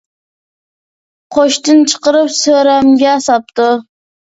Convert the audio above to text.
قوشتىن چىقىرىپ سۆرەمگە ساپتۇ.